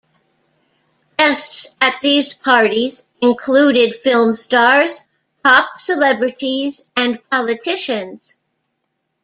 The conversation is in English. Guests at these parties included film stars, pop celebrities and politicians.